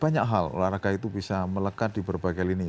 banyak hal olahraga itu bisa melekat di berbagai lini